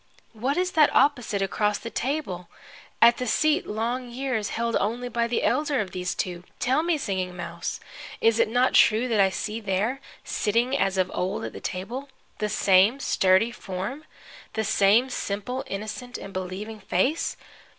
What is that opposite, across the table, at the seat long years held only by the elder of these two? Tell me, Singing Mouse, is it not true that I see there, sitting as of old at the table, the same sturdy form, the same simple, innocent and believing face?